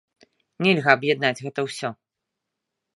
Нельга аб'яднаць гэта ўсё.